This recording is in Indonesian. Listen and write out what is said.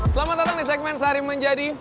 selamat datang di segmen sari menjadi